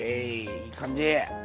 いい感じ。